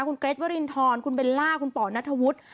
คุณเกรทวรินทรคุณเบลล่าคุณป่อนัทธวุฒิ